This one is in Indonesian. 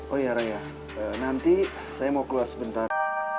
oh ya raya nanti saya mau keluar sebentar